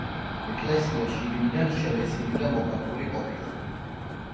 ეკლესია შიგნიდან შელესილი და მოხატული ყოფილა.